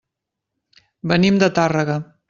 Venim de Tàrrega.